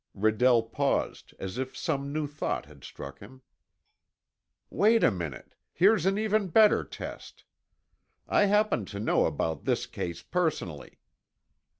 Redell paused as if some new thought had struck him. "Wait a minute, here's an even better test. I happen to know about this case personally.